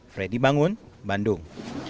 freddy bangun bandung